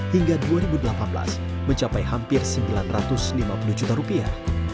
hingga dua ribu delapan belas mencapai hampir sembilan ratus lima puluh juta rupiah